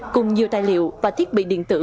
cùng nhiều tài liệu và thiết bị điện tử